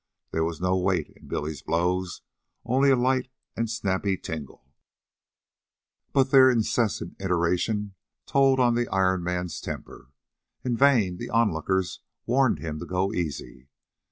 There was no weight in Billy's blows, only a light and snappy tingle; but their incessant iteration told on the Iron Man's temper. In vain the onlookers warned him to go easy.